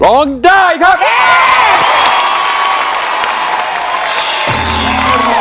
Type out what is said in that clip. ร้องได้ครับ